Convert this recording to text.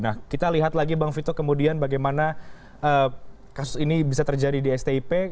nah kita lihat lagi bang vito kemudian bagaimana kasus ini bisa terjadi di stip